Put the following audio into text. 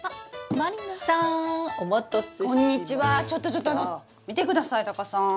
ちょっとちょっと見てくださいタカさん。